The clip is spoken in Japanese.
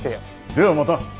ではまた。